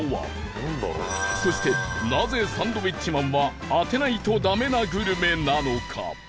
そしてなぜサンドウィッチマンは当てないとダメなグルメなのか？